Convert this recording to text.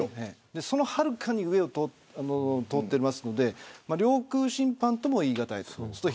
そのはるかに上を通っているので領空侵犯とも言いにくいです。